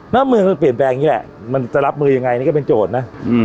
เมืองมันเปลี่ยนแปลงอย่างนี้แหละมันจะรับมือยังไงนี่ก็เป็นโจทย์นะ